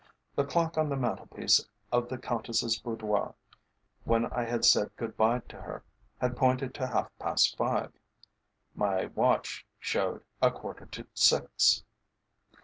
The clock on the mantel piece of the Countess's boudoir, when I had said good bye to her, had pointed to half past five. My watch showed a quarter to six.